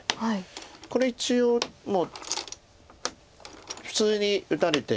これ一応もう普通に打たれて。